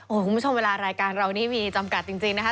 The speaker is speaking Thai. คุณผู้ชมเวลารายการเรานี่มีจำกัดจริงนะคะ